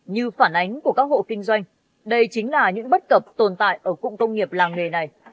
như phản ánh của các hộ kinh doanh đây chính là những bất cập tồn tại ở cụng công nghiệp làng nghề này